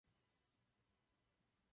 Ale mohl jsem jen překvapit.